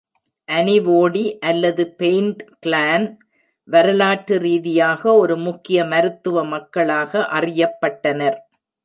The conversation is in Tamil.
அனிவோடி அல்லது பெயிண்ட் கிளான் வரலாற்று ரீதியாக ஒரு முக்கிய மருத்துவ மக்களாக அறியப்பட்டனர்.